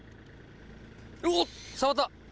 うおっ触った！